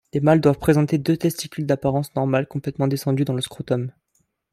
Les mâles doivent présenter deux testicules d'apparence normale complètement descendus dans le scrotum.